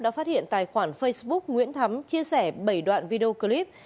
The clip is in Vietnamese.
đã phát hiện tài khoản facebook nguyễn thắm chia sẻ bảy đoạn video clip